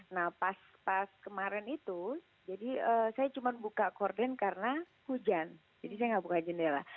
nah pas kemarin itu jadi saya cuma buka korden karena hujan jadi saya nggak buka jendela